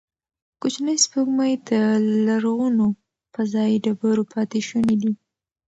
کوچنۍ سپوږمۍ د لرغونو فضايي ډبرو پاتې شوني دي.